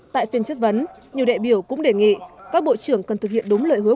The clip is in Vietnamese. tại phiên chất vấn nhiều đại biểu cũng đề nghị các bộ trưởng cần thực hiện đúng lời hứa